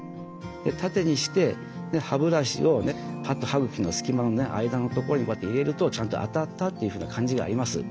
縦にして歯ブラシを歯と歯茎の隙間のね間の所にこうやって入れるとちゃんと当たったというふうな感じがあります。